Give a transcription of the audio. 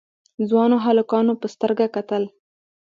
ځوانو هلکانو په سترګه کتل.